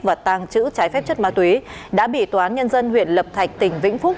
và tàng trữ trái phép chất ma túy đã bị tòa án nhân dân huyện lập thạch tỉnh vĩnh phúc